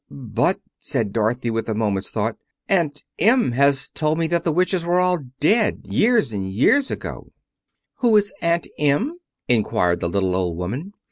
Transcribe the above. "But," said Dorothy, after a moment's thought, "Aunt Em has told me that the witches were all dead—years and years ago." "Who is Aunt Em?" inquired the little old woman.